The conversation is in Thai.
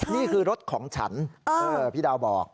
นี่คือรถของฉันพี่ดาวบอก